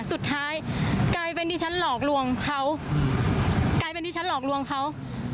สุดท้ายกลายเป็นที่ฉันหลอกลวงเค้า